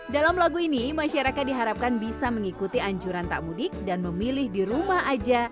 dalam lagu ini masyarakat diharapkan bisa mengikuti anjuran tak mudik dan memilih di rumah aja